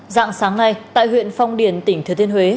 dạng sáng nay tại huyện phong điền tỉnh thừa tiên huế